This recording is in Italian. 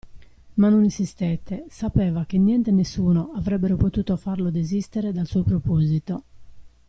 Ma non insistette: sapeva che niente e nessuno avrebbero potuto farlo desistere dal suo proposito.